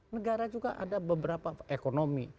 negara juga ada beberapa ekonomi